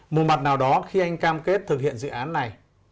một mặt nào đó khi anh cam kết thực hiện dự án này